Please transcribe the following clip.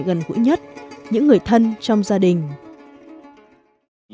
gần gũi nhất những người thân trong gia đình